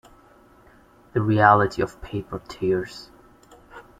The reality of paper tears.